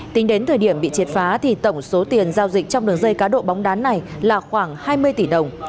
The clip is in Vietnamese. tính đến thời điểm bị triệt phá thì tổng số tiền giao dịch trong đường dây cá độ bóng đá này là khoảng hai mươi tỷ đồng